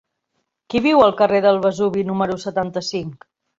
Qui viu al carrer del Vesuvi número setanta-cinc?